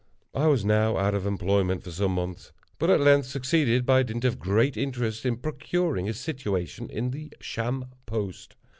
I was now out of employment for some months, but at length succeeded, by dint of great interest, in procuring a situation in the Sham Post.